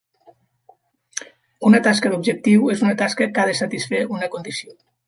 Una tasca d"objectiu és una tasca que ha de satisfer una condició.